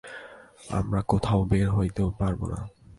আমরা কোথাও বের হতেও পারব না।